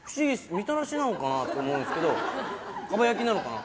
みたらしなのかなと思うんですけどかば焼きなのかな？